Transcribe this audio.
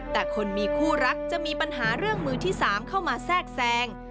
แต่คนมีคู่รักจะมีปัญหาเรื่องมือที่๓เข้ามาแทรกแทรง